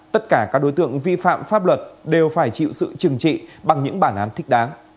tất cả các đối tượng vi phạm pháp luật đều phải chịu sự trừng trị bằng những bản án thích đáng